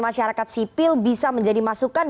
masyarakat sipil bisa menjadi masukan